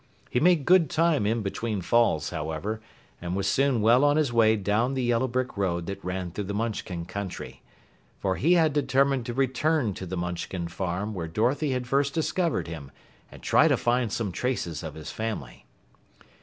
He made good time in between falls, however, and was soon well on his way down the yellow brick road that ran through the Munchkin Country. For he had determined to return to the Munchkin farm where Dorothy had first discovered him and try to find some traces of his family.